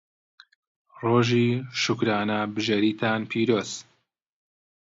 ڕۆژی شوکرانەبژێریتان پیرۆز.